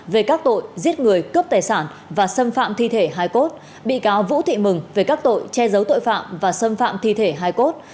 về các tội giết người cướp tài sản và xâm phạm thi thể hai cốt bị cáo vũ thị mừng về các tội che giấu tội phạm và xâm phạm thi thể hai cốt